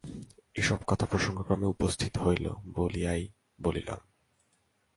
এ-সব কথা প্রসঙ্গক্রমে উপস্থিত হইল বলিয়াই বলিলাম।